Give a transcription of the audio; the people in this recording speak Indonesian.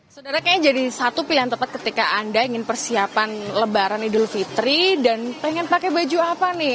saudara kayaknya jadi satu pilihan tepat ketika anda ingin persiapan lebaran idul fitri dan pengen pakai baju apa nih